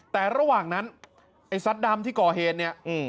แต่ระหว่างนั้นไอ้ซัดดำที่ก่อเหตุเนี่ย